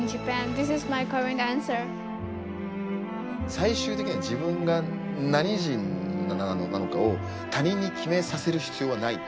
最終的には自分が何人なのかを他人に決めさせる必要はない。